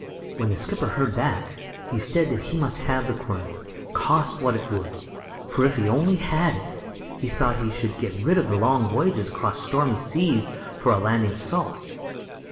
When the skipper heard that, he said he must have the quern, cost what it would; for if he only had it, he thought he should be rid of his long voyages across stormy seas for a lading of salt.